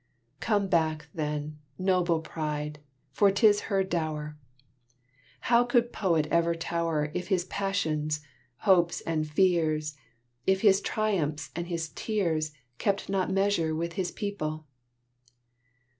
Come back, then, noble pride, for 'tis her dower! How could poet ever tower, If his passions, hopes, and fears, If his triumphs and his tears, Kept not measure with his people?